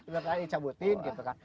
dicabutin gitu kan